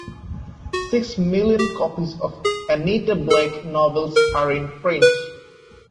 Six million copies of "Anita Blake" novels are in print.